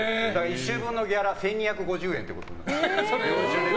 １週分のギャラ１２５０円ってことに。